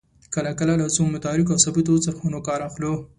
کله کله له څو متحرکو او ثابتو څرخونو کار اخلو.